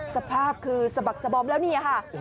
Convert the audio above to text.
สภาพคือสะบักสะบอมแล้วนี่ค่ะ